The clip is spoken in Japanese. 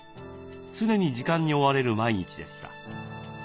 常に時間に追われる毎日でした。